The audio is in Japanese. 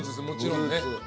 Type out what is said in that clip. もちろんね。